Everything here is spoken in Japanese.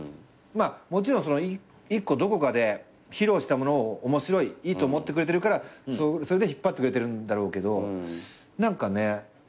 もちろんその１個どこかで披露したものを面白いいいと思ってくれてるからそれで引っ張ってくれてるんだろうけど何かね。